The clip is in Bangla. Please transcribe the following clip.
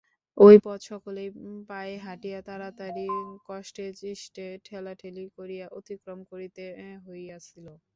ঐ পথ সকলকেই পায়ে হাঁটিয়া তাড়াতাড়ি কষ্টেসৃষ্টে ঠেলাঠেলি করিয়া অতিক্রম করিতে হইয়াছিল।